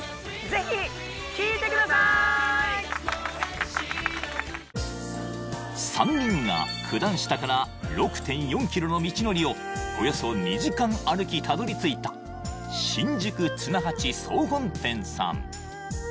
ぜひ聴いてください聴いてください３人が九段下から６．４ｋｍの道のりをおよそ２時間歩きたどり着いた新宿つな八総本店さん